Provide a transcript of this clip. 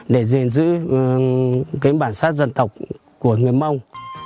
để gìn giữ bản sát dân tộc của người mông